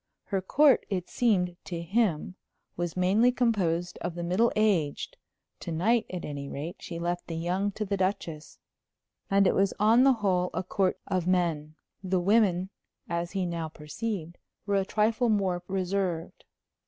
Her court, it seemed to him, was mainly composed of the middle aged; to night, at any rate, she left the young to the Duchess. And it was on the whole a court of men. The women, as he now perceived, were a trifle more reserved.